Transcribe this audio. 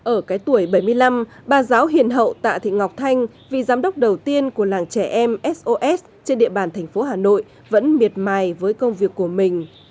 ở cái tuổi bảy mươi năm bà giáo hiền hậu tạ thị ngọc thanh vị giám đốc đầu tiên của làng trẻ em sos trên địa bàn thành phố hà nội vẫn miệt mài với công việc của mình